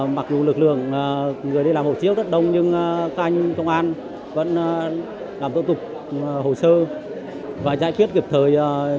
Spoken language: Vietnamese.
mặc dù lực lượng người đi làm hộ chiếu rất đông nhưng các anh công an vẫn làm thủ tục hồ sơ và giải quyết kịp thời nhu cầu của mọi người dân